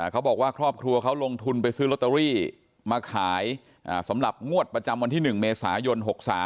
เขาบอกว่าครอบครัวเขาลงทุนไปซื้อลอตเตอรี่มาขายสำหรับงวดประจำวันที่๑เมษายน๖๓